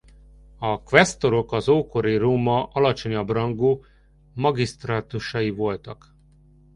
A quaestorok az ókori Róma alacsonyabb rangú magistratusai voltak.